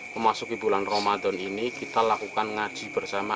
memasuki bulan ramadan ini kita lakukan ngaji bersama